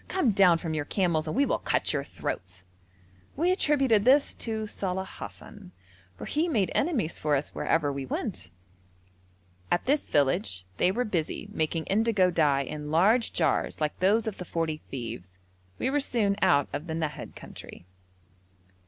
Come down from your camels and we will cut your throats.' We attributed this to Saleh Hassan, for he made enemies for us wherever we went. At this village they were busy making indigo dye in large jars like those of the forty thieves. We were soon out of the Nahad country.